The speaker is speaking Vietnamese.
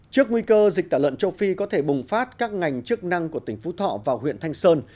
trước nguy cơ dịch tả lợn châu phi có thể bùng phát các ngành chức năng của tỉnh phú thọ và huyện thanh sơn